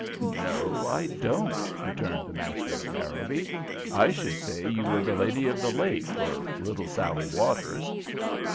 "No, I don't," returned the master of Harrowby. "I should say you were the Lady of the Lake, or Little Sallie Waters."